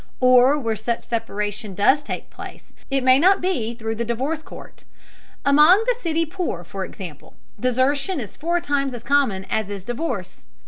Or, where such separation does take place, it may not be through the divorce court. Among the city poor, for example, desertion is four times as common as is divorce.